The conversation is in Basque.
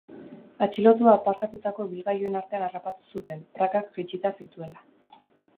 Atxilotua aparkatutako ibilgailuen artean harrapatu zuten, prakak jaitsita zituela.